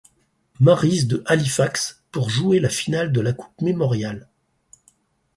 Mary's de Halifax pour jouer la finale de la Coupe Memorial.